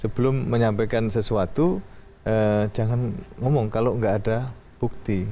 belum menyampaikan sesuatu jangan ngomong kalau tidak ada bukti